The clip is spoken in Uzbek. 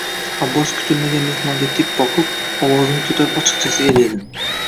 Abbos kutilmagan mehmonga tik boqib, ovozini ko`tarib ochiqchasiga dedi